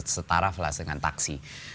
setara velas dengan taksi